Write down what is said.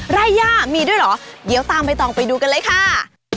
ไร่ย่ามีด้วยเหรอเดี๋ยวตามใบตองไปดูกันเลยค่ะ